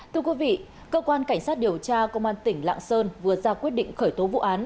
thưa quý vị cơ quan cảnh sát điều tra công an tỉnh lạng sơn vừa ra quyết định khởi tố vụ án